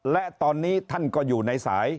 และตอนนี้ท่านก็อยู่ในสาย